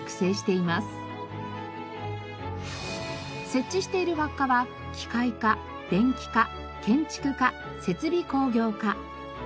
設置している学科は機械科電気科建築科設備工業科。